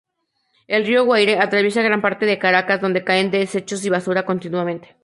El río Guaire atraviesa gran parte de Caracas, donde caen desechos y basura continuamente.